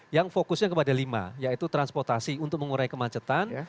yang fokusnya kepada lima yaitu transportasi untuk mengurai kemacetan